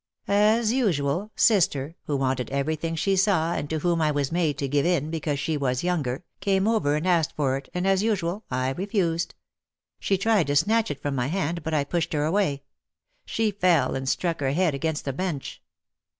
As usual, sister, who wanted everything she saw and to whom I was made to give in because she was younger, came over and asked for it and, as usual, I refused. She tried to snatch it from my hand but I pushed her away. She fell and struck her head against a bench.